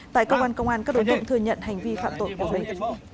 tại công an công an các đối tượng thừa nhận hành vi phạm tội của bệnh